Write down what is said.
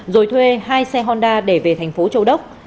rồi thuê hai xe honda để về thành phố châu đốc